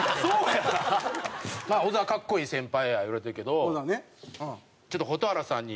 まあ小沢かっこいい先輩や言われてるけどちょっと蛍原さんに。